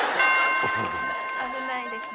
危ないですね。